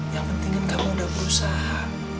yang pentingin kamu udah berusaha